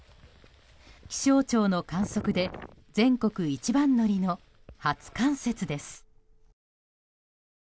気象庁の観測で全国一番乗りの初冠雪です。